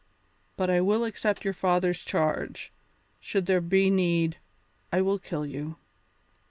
But I will accept your father's charge; should there be need, I will kill you."